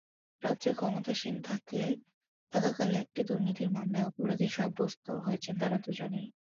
রাজ্যে ক্ষমতাসীন থাকাকালে একটি দুর্নীতির মামলায় অপরাধী সাব্যস্ত হয়েছেন তাঁরা দুজনেই।